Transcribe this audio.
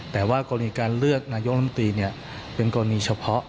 แต่ว่ากรณีการเลือกนายกรรมตรีเป็นกรณีเฉพาะ